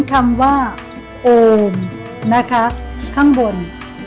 คำว่าโอมนะคะข้างบน